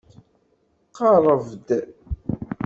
Qerreb-d.